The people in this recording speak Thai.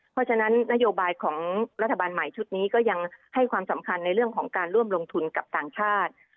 เพราะฉะนั้นนโยบายของรัฐบาลใหม่ชุดนี้ก็ยังให้ความสำคัญในเรื่องของการร่วมลงทุนกับต่างชาติ